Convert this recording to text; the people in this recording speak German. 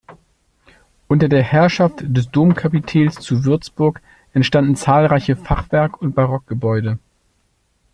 Unter der Herrschaft des Domkapitels zu Würzburg entstanden zahlreiche Fachwerk- und Barockgebäude.